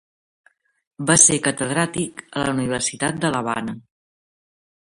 Va ser catedràtic a la Universitat de l'Havana.